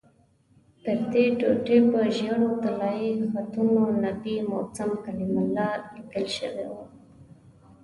پردې ټوټې په ژېړو طلایي خطونو 'نبي موسی کلیم الله' لیکل شوي وو.